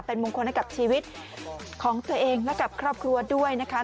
เป็นมงคลให้กับชีวิตของตัวเองและกับครอบครัวด้วยนะคะ